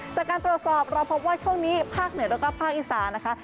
จากการตรวจสอบเราพบว่าช่วงนี้ภาคเหนือแล้วก็ภาคอีสานนะคะ